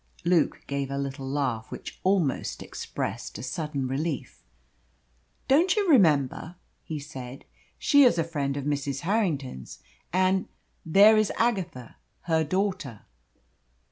Luke gave a little laugh which almost expressed a sudden relief. "Don't you remember?" he said. "She is a friend of Mrs. Harrington's, and and there is Agatha, her daughter."